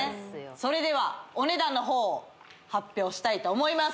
それではお値段の方発表したいと思います